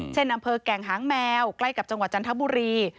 อำเภอแก่งหางแมวใกล้กับจังหวัดจันทบุรี